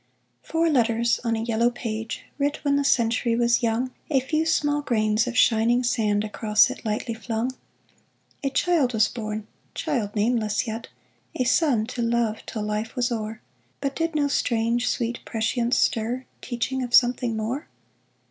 ] Four letters on a yellow page Writ when the century was young ; A few small grains of shining sand Across it lightly flung ! A child was born — child nameless yet ; A son to love till life was o'er ; But did no strange, sweet prescience stir, Teaching of something more